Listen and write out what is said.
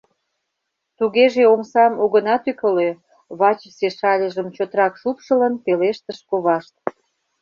— Тугеже омсам огына тӱкылӧ, — вачысе шальжым чотрак шупшылын пелештыш ковашт.